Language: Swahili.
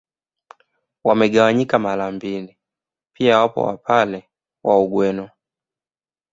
Wamegawanyika mara mbili pia wapo Wapare wa Ugweno